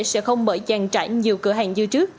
sẽ không mở dàn trải nhiều cửa hàng như trước